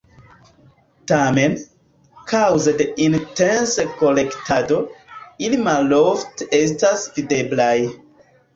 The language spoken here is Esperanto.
Tamen, kaŭze de intense kolektado, ili malofte estas videblaj.